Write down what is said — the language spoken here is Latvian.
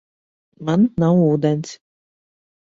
Man nav ūdens.